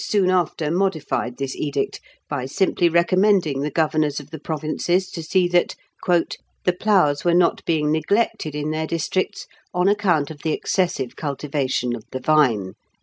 soon after modified this edict by simply recommending the governors of the provinces to see that "the ploughs were not being neglected in their districts on account of the excessive cultivation of the vine."